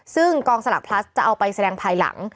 ซึ่งกองสลักพลัสจะเอาไปแสดงภายหลัง